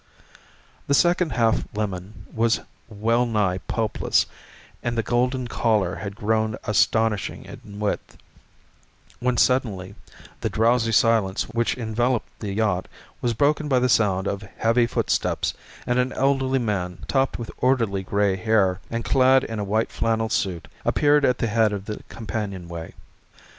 The second half lemon was well nigh pulpless and the golden collar had grown astonishing in width, when suddenly the drowsy silence which enveloped the yacht was broken by the sound of heavy footsteps and an elderly man topped with orderly gray hair and clad in a white flannel suit appeared at the head of the companionway.